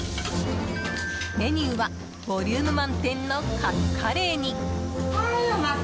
メニューはボリューム満点のカツカレーに。